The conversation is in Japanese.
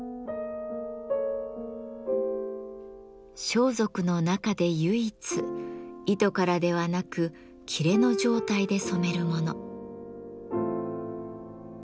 装束の中で唯一糸からではなく裂の状態で染めるもの。